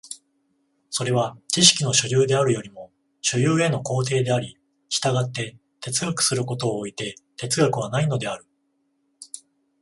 それは知識の所有であるよりも所有への行程であり、従って哲学することを措いて哲学はないのである。